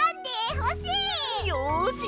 よし！